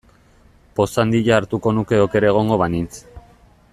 Poz handia hartuko nuke oker egongo banintz.